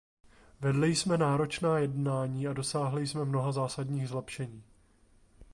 Vedli jsme náročná jednání a dosáhli jsme mnoha zásadních zlepšení.